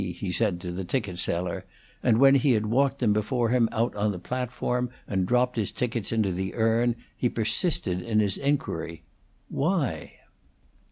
he said to the ticket seller; and, when he had walked them before him out on the platform and dropped his tickets into the urn, he persisted in his inquiry, "Why?"